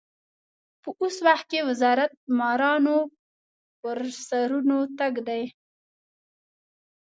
په اوس وخت کې وزارت مارانو پر سرونو تګ دی.